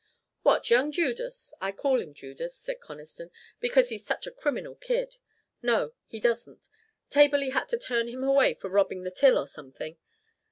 "What, young Judas I call him Judas," said Conniston, "because he's such a criminal kid. No, he doesn't. Taberley had to turn him away for robbing the till or something.